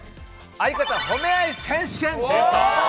「相方褒め合い選手権」。